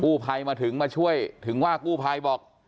ภัยมาถึงมาช่วยถึงว่ากู้ภัยบอก